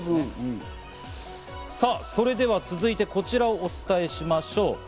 さぁそれでは続いては、こちらをお伝えしましょう。